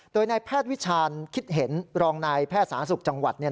โดยในแพทย์วิชาลคิดเห็นรองนายแพทย์สหสัตว์สุขจังหวัด